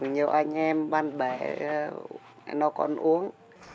nhiều anh em bạn bè nó còn uống